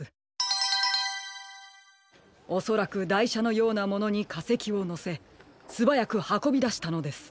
おそらくだいしゃのようなものにかせきをのせすばやくはこびだしたのです。